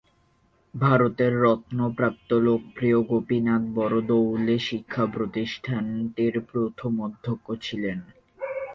ভারত রত্ন প্রাপ্ত লোকপ্রিয় গোপীনাথ বরদলৈ শিক্ষা প্রতিষ্ঠানটির প্রথম অধ্যক্ষ ছিলেন।